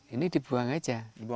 ini dibuang saja